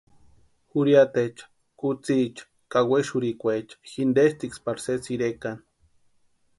Jurhiataecha, kutsïicha ka wexurhikwaecha jintestiksï pari sésï irekani.